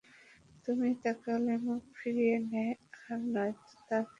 তুমি তাকালে মুখ ফিরিয়ে নেয়, আর নয়তো তাকিয়েই থাকে।